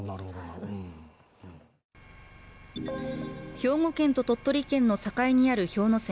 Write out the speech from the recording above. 兵庫県と鳥取県の境にある氷ノ山。